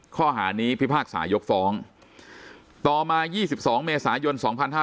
ข้อหานี้พิพากษายกฟ้องต่อมา๒๒เมษายน๒๕๕๙